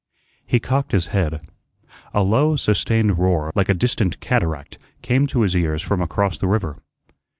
He cocked his head. A low, sustained roar, like a distant cataract, came to his ears from across the river.